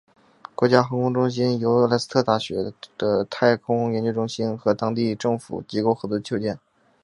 国家航天中心由莱斯特大学的太空研究中心和当地政府机构合作修建。